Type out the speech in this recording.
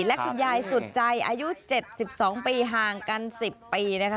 และคุณยายสุดใจอายุ๗๒ปีห่างกัน๑๐ปีนะคะ